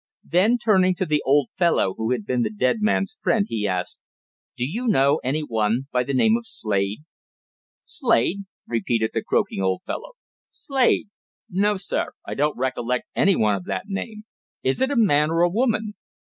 Then, turning to the old fellow who had been the dead man's friend, he asked: "Do you know anyone by the name of Slade?" "Slade?" repeated the croaking old fellow. "Slade? No, sir. I don't recollect anyone of that name. Is it a man or a woman?"